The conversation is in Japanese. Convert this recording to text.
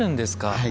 はい。